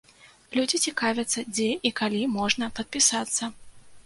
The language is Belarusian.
Людзі цікавяцца, дзе і калі можна падпісацца.